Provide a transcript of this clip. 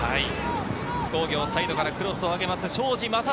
津工業、サイドからクロスを上げます、庄司壮晴。